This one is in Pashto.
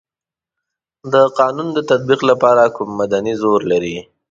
د قانون د تطبیق لپاره کوم مدني زور لري.